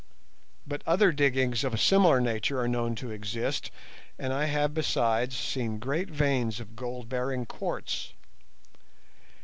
But other diggings of a similar nature are known to exist, and I have besides seen great veins of gold bearing quartz.